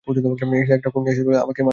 সে একটা ক্ষুর নিয়ে এসেছিল আমাকে মারতে।